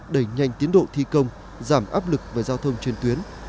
đẩy nhanh tiến độ thi công giảm áp lực về giao thông trên tuyến